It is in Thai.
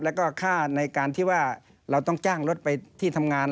แล้วก็ค่าในการที่ว่าเราต้องจ้างรถไปที่ทำงาน